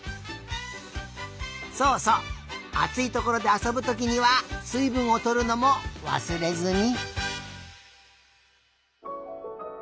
そうそうあついところであそぶときにはすいぶんをとるのもわすれずに。